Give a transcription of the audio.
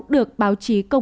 được báo chí cố gắng